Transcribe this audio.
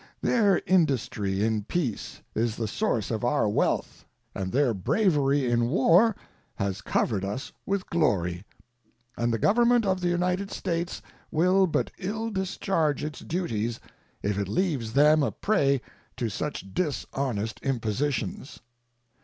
Their industry in peace is the source of our wealth and their bravery in war has covered us with glory; and the Government of the United States will but ill discharge its duties if it leaves them a prey to such dishonest impositions.